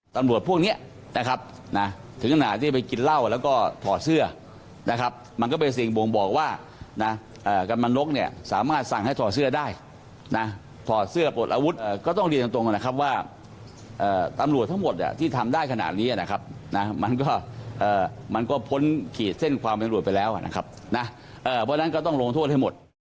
พวกเนี้ยนะครับนะถึงขนาดที่ไปกินเหล้าแล้วก็ถอดเสื้อนะครับมันก็เป็นสิ่งบ่งบอกว่านะกำลังนกเนี่ยสามารถสั่งให้ถอดเสื้อได้นะถอดเสื้อปลดอาวุธก็ต้องเรียนตรงนะครับว่าตำรวจทั้งหมดที่ทำได้ขนาดนี้นะครับนะมันก็มันก็พ้นขีดเส้นความเป็นรวจไปแล้วนะครับนะเพราะฉะนั้นก็ต้องลงโทษให้หมด